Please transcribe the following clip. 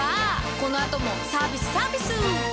このあともサービスサービスぅ！